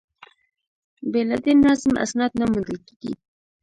بې له دې نظم، اسناد نه موندل کېږي.